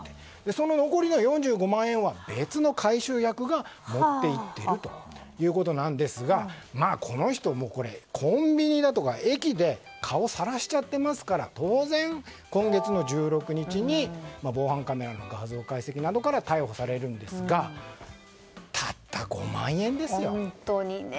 その残りの４５万円は別の回収役が持っていっているということなんですがこの人、コンビニだとか駅で顔をさらしちゃっていますから当然、今月の１６日に防犯カメラの画像解析などから逮捕されるんですがたった５万円ですよ。